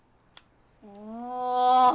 お。